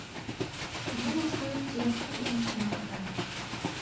Унан, аңҡайып, тирәктең иң осона ҡараны.